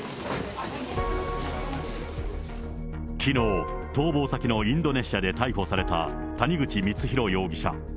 きのう、逃亡先のインドネシアで逮捕された谷口光弘容疑者。